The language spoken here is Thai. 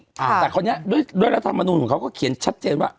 แต่คราวนี้ด้วยด้วยรัฐมนุนของเขาก็เขียนชัดเจนว่า